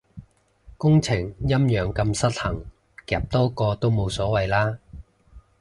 工程陰陽咁失衡，夾多個都冇所謂啦